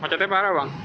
macetnya parah bang